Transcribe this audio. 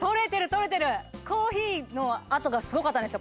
取れてるコーヒーの跡がすごかったんですよ